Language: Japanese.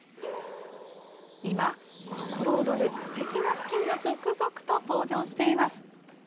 今、心躍るすてきなふきんが続々と登場しています。